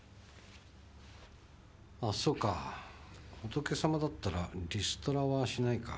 あぁそうか仏様だったらリストラはしないか。